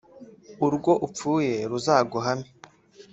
“ Urwo upfuye ruzaguhame”